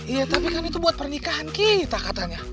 iya tapi kan itu buat pernikahan kita katanya